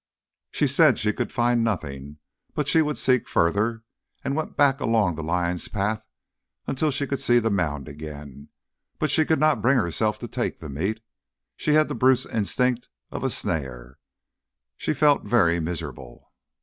She said she could find nothing, but that she would seek further, and went back along the lion's path until she could see the mound again, but she could not bring herself to take the meat; she had the brute's instinct of a snare. She felt very miserable.